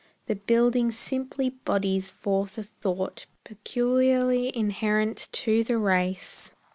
The building simply bodies forth a thought Peculiarly inherent to the race.